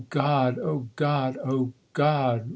Oh, God ! oh, God